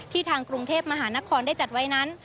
ทางกรุงเทพมหานครได้จัดไว้นั้น